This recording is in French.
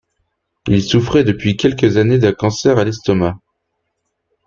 Il souffrait depuis quelques années d’un cancer à l’estomac.